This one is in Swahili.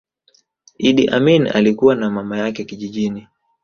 Idi Amin alikua na mama yake kijijini